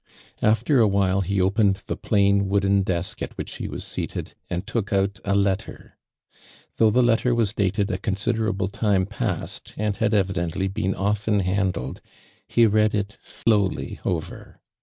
After a while he opened the plain wooden desk at which he was B(Mited and took out a letter. Though the letter was dated a considerable time i)ast and had evidently been often handled, he lead it slowly over.